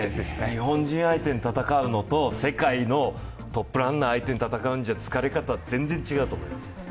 日本人相手に戦うのと世界のトップランナーを相手に戦うのでは疲れ方は全然違うと思います。